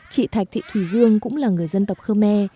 chị thạch thị thùy dương cũng là người dân tộc khơ me